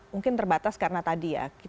mungkin terbatas karena tadi ya